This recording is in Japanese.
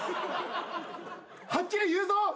はっきり言うぞ！